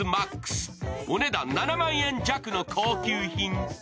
お値段７万円弱の高級品。